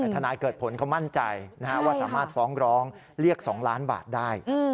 ทนายเกิดผลเขามั่นใจว่าสามารถฟ้องร้องเรียก๒ล้านบาทได้